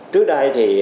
trước đây thì